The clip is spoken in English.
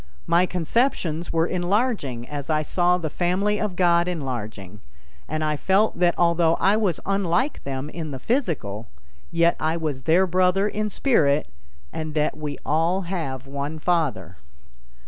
My conceptions were enlarging as I saw the family of God enlarging, and I felt that although I was unlike them in the physical, yet I was their brother in spirit, and that we all have one Father.